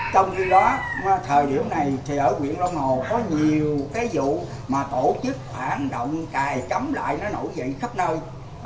trong khi đó thời điểm này thì ở nguyễn long hồ có nhiều cái vụ mà tổ chức bản động cài chấm lại nó nổi dậy khắp nơi